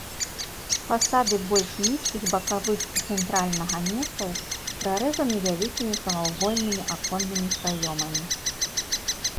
Фасады больш нізкіх бакавых і цэнтральнага нефаў прарэзаны вялікімі прамавугольнымі аконнымі праёмамі.